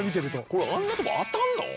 これあんなとこ当たるの？